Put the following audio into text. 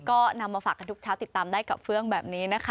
ก็นำมาฝากกันทุกเช้าติดตามได้กับเฟื่องแบบนี้นะคะ